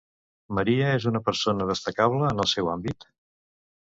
María és una persona destacable en el seu àmbit?